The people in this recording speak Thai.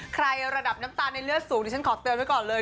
ระดับน้ำตาลในเลือดสูงดิฉันขอเตือนไว้ก่อนเลย